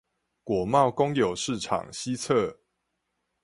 果貿公有市場西側